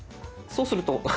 そうすると。